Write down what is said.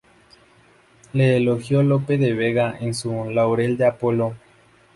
Le elogió Lope de Vega en su "Laurel de Apolo".